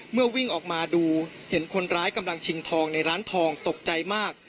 วิ่งออกมาดูเห็นคนร้ายกำลังชิงทองในร้านทองตกใจมาก